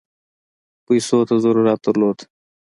پیسو ته ضرورت درلود.